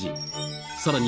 さらに